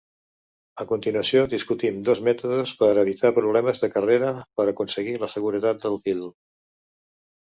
A continuació discutim dos mètodes per evitar problemes de carrera per aconseguir la seguretat del fil.